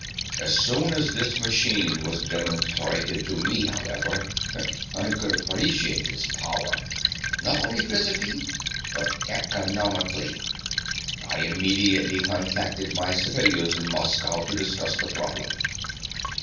As soon as this machine was demonstrated to me, however, I could appreciate its power not only physically, but economically. I immediately contacted my superiors in Moscow to discuss the problem.